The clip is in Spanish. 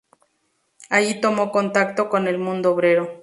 Allí tomó contacto con el mundo obrero.